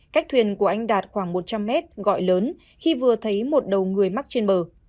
cách thuyền của anh đạt khoảng một trăm linh mét gọi lớn khi vừa thấy một đầu người mắc trên bờ